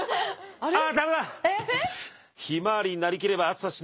あダメだ！